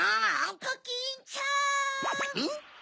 ・コキンちゃん！